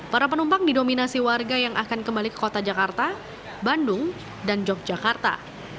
para penumpang didominasi warga yang akan kembali ke kota jakarta bandung dan yogyakarta